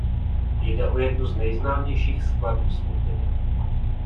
Jde o jednu z nejznámějších skladeb skupiny.